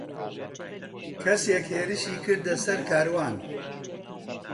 کەسێک هێرشی کردە سەر کاروان.